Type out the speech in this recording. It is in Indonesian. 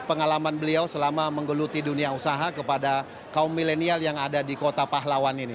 pengalaman beliau selama menggeluti dunia usaha kepada kaum milenial yang ada di kota pahlawan ini